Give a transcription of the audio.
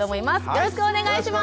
よろしくお願いします。